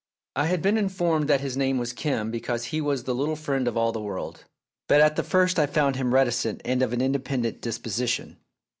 I had been informed that his name was Kim because he was the little friend of all the world, but at the first I found him reticent and of an independent disposition.